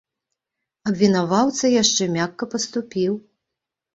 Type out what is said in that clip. Абвінаваўца яшчэ мякка паступіў.